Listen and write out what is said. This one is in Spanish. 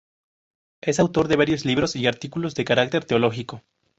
Es autor de varios libros y artículos de carácter teológico.